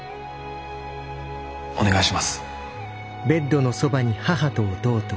お願いします。